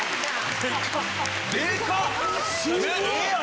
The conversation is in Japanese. でかっ！